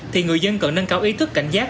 thì người dân cần nâng cao ý thức cảnh giác